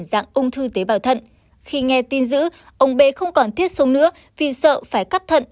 dạng ung thư tế bào thận khi nghe tin giữ ông b không còn thiết sông nữa vì sợ phải cắt thận